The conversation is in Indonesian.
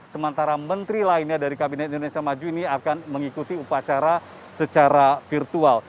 sementara menteri lainnya dari kabinet indonesia maju ini akan mengikuti upacara secara virtual